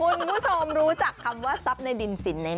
คุณผู้ชมรู้จักคำว่าทรัพย์ในดินศิลป์ได้ไหม